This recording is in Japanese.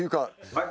はい。